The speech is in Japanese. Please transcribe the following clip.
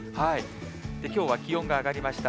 きょうは気温が上がりました。